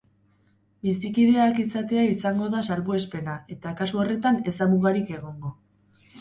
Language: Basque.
Bizikideak izatea izango da salbuespena eta kasu horretan ez da mugarik egongo.